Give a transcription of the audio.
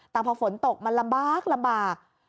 แต่พอฝนตกมันลำบาก